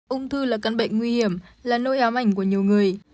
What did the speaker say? ung thư là căn bệnh nguy hiểm là nỗi ám ảnh của nhiều người